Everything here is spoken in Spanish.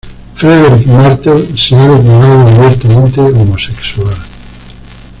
Frederic Martel se ha declarado abiertamente homosexual.